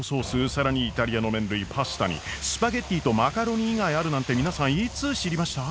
更にイタリアの麺類パスタにスパゲッティとマカロニ以外あるなんて皆さんいつ知りました？